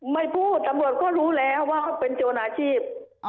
ไม่พูดตำรวจก็รู้แล้วว่าเขาเป็นโจรอาชีพ